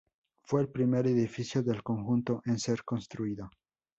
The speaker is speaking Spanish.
Fue el primer edificio del conjunto en ser construido.